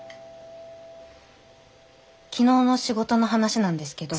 昨日の仕事の話なんですけど。